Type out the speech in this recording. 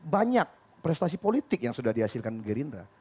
banyak prestasi politik yang sudah dihasilkan gerindra